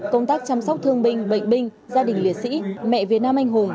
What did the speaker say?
công tác chăm sóc thương binh bệnh binh gia đình liệt sĩ mẹ việt nam anh hùng